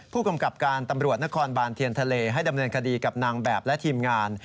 ผู้กำกับการตำรวจนครบานเทียนทะเลให้ดำเนินคดีกับนางแบบและทีมงาน